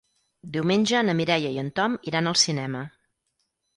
Diumenge na Mireia i en Tom iran al cinema.